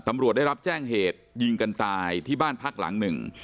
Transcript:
ตำรวจได้รับแจ้งเหตุยิงกันตายที่บ้านพักหลังหนึ่ง